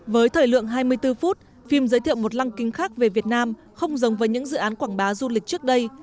với thời lượng hai mươi bốn phút phim giới thiệu một lăng kính khác về việt nam không giống với những dự án quảng bá du lịch trước đây